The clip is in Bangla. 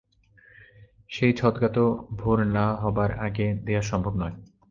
সেই ছদকা তো ভোর না-হবার আগে দেয়া সম্ভব নয়।